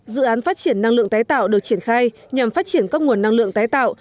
dự án phát triển năng lượng tái tạo được triển khai nhằm phát triển các nguồn năng lượng tái tạo